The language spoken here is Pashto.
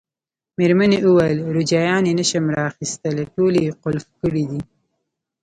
مېرمنې وویل: روجایانې نه شم را اخیستلای، ټولې یې قلف کړي دي.